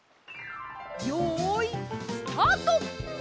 よいスタート！わ！